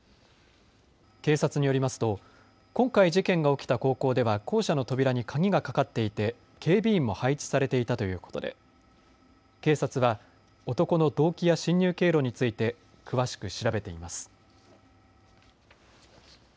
警察によりますと今回、事件が起きた高校では校舎の扉に鍵がかかっていて警備員も配置されていたということで警察は男の動機や侵入経路について詳しく調べています。